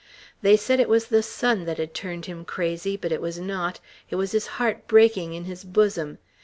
They said it was the sun that had turned him crazy; but it was not. It was his heart breaking in his bosom.